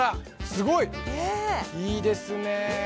すごい！いいですね。